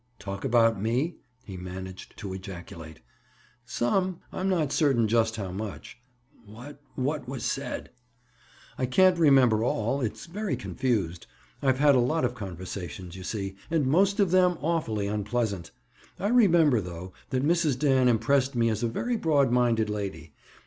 "Talk about me?" he managed to ejaculate. "Some. I'm not certain just how much." "What—what was said?" "I can't remember all. It's very confused. I've had a lot of conversations, you see, and most of them awfully unpleasant. I remember, though, that Mrs. Dan impressed me as a very broad minded lady.